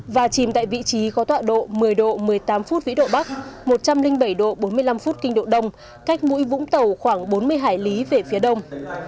và chìm tại vị trí khoa tọa độ một mươi độ một mươi tám phút một bảy độ vĩ độ bắc cách mũi vũng tàu khoảng bốn mươi hải lý phía đông